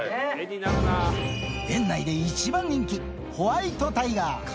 園内で一番人気、ホワイトタイガー。